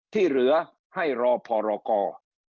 ที่เหลือให้รอพรกร